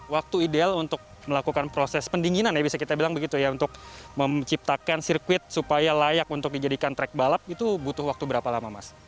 waktu ideal untuk melakukan proses pendinginan ya bisa kita bilang begitu ya untuk menciptakan sirkuit supaya layak untuk dijadikan track balap itu butuh waktu berapa lama mas